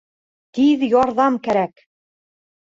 Тиҙ ярҙам кәрәк